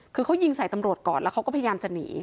คือเขายิงใส่ตำรวจก่อนแล้วเขาก็พยายามจะหนี